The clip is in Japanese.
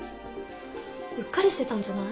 うっかりしてたんじゃない？